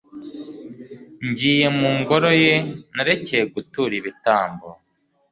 ngiye mu ngoro ye nakereye gutura ibitambo